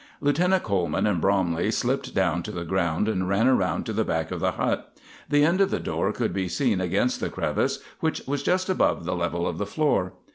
Lieutenant Coleman and Bromley slipped down to the ground and ran around to the back of the hut. The end of the door could be seen against the crevice, which was just above the level of the floor.